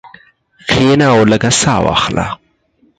کښېنه او لږه ساه واخله.